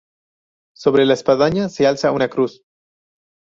Sobre la espadaña se alza una cruz.